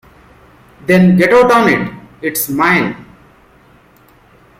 Then get out on it — it’s mine.